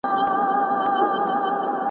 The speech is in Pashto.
محتسب ته مو پرې ايښي په غلمانو کي خوبونه